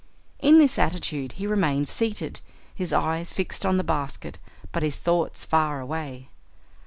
In this attitude he remained seated, his eyes fixed on the basket, but his thoughts far away.